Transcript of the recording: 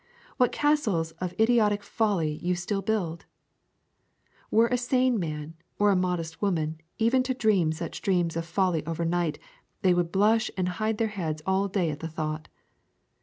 What castles of idiotic folly you still build! Were a sane man or a modest woman even to dream such dreams of folly overnight, they would blush and hide their heads all day at the thought.